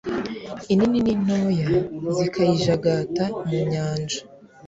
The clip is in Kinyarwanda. inini n'intoya, zikayijagata mu nyanja